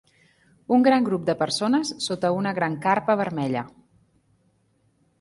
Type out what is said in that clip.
Un gran grup de persones sota una gran carpa vermella.